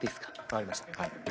分かりました。